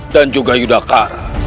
dan juga yudhakara